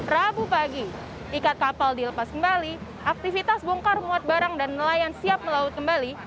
rabu pagi ikat kapal dilepas kembali aktivitas bongkar muat barang dan nelayan siap melaut kembali